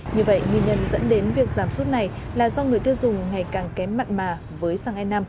như vậy nguyên nhân dẫn đến việc giảm suất này là do người tiêu dùng ngày càng kém mặn mà với xăng e năm